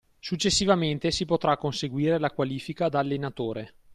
Successivamente si potrà conseguire la qualifica da allenatore.